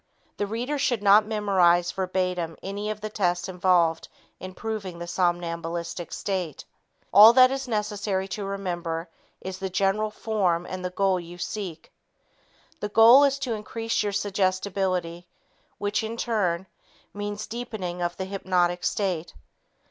The reader should not memorize verbatim any of the tests involved in proving the somnambulistic state. All that is necessary to remember is the general form and the goal you seek. The goal is to increase your suggestibility which, in turn, means deepening of the hypnotic state.